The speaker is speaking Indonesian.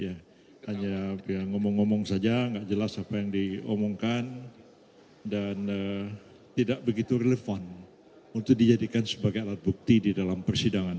hanya ngomong ngomong saja nggak jelas apa yang diomongkan dan tidak begitu relevan untuk dijadikan sebagai alat bukti di dalam persidangan